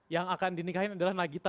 yang akan dinikahin adalah nagita